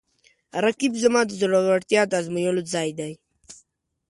رقیب زما د زړورتیا د ازمویلو ځای دی